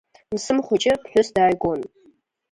Мсым Хәыҷы ԥҳәыс дааигон.